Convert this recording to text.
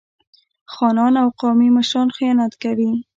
خانان او قومي مشران خیانت کوي.